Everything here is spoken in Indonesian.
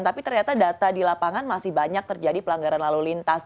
tapi ternyata data di lapangan masih banyak terjadi pelanggaran lalu lintas